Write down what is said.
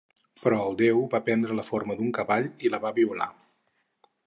Però el déu va prendre la forma d'un cavall i la va violar.